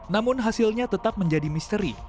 namun hasilnya tetap menjadi misteri